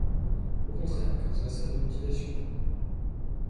Au contraire, car cela sert de motivation pour moi.